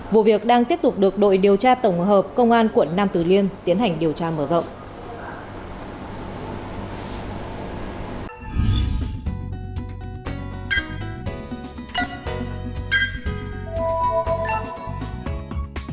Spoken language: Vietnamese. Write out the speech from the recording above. vụ việc đang tiếp tục được đội điều tra tổng hợp công an quận nam tử liêm tiến hành điều tra mở rộng